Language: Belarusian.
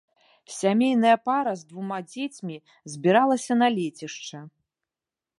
Сямейная пара з двума дзецьмі збіралася на лецішча.